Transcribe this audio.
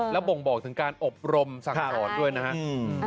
แล้วบ่งบอกถึงการอบรมสังหร่อนด้วยนะฮะ